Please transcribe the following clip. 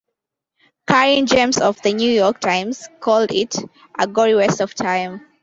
Caryn James of "The New York Times" called it "a gory waste of time".